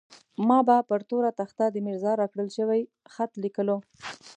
ما به پر توره تخته د ميرزا راکړل شوی خط ليکلو.